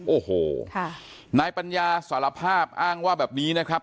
โอ้โหนายปัญญาสารภาพอ้างว่าแบบนี้นะครับ